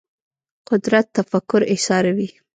قدرت تفکر ایساروي